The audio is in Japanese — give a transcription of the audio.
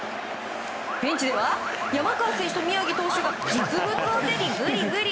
ベンチでは山川選手と宮城投手が実物を手にグリグリ。